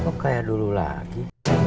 kok kaya dulu lagi